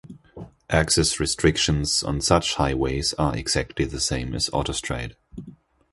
Access restrictions on such highways are exactly the same as autostrade.